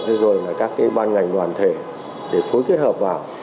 thế rồi là các cái ban ngành đoàn thể để phối kết hợp vào